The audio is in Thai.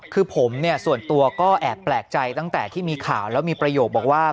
คือผมเนี่ยส่วนตัวก็แอบแปลกใจตั้งแต่ที่มีข่าวแล้วมีประโยคบอกว่า